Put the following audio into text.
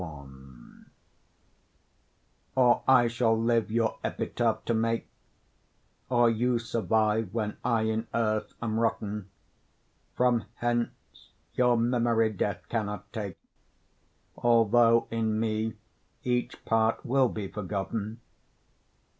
LXXXI Or I shall live your epitaph to make, Or you survive when I in earth am rotten; From hence your memory death cannot take, Although in me each part will be forgotten.